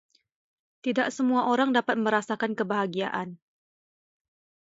Tidak semua orang dapat merasakan kebahagiaan.